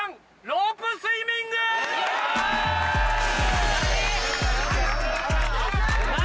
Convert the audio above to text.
ロープスイミング何？